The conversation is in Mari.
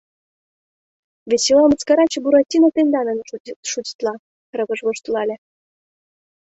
— Весела мыскараче Буратино тендан дене шутитла, — рывыж воштылале.